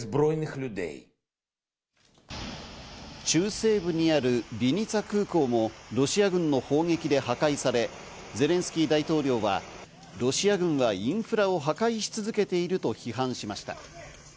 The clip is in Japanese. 中西部にあるビニツァ空港もロシア軍の砲撃で破壊され、ゼレンスキー大統領はロシア軍はインフラを破壊し続けていると批判しました。